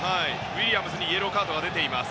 ウィリアムズにイエローカードが出ています。